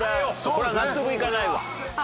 これは納得いかないわ。